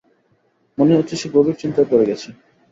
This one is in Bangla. মনে হচ্ছে সে গভীর চিন্তায় পড়ে গেছে।